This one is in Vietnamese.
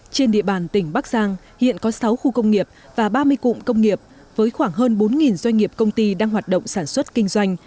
trên địa bàn tỉnh bắc giang hiện có sáu khu công nghiệp và ba mươi cụm công nghiệp với khoảng hơn bốn doanh nghiệp công ty đang hoạt động sản xuất kinh doanh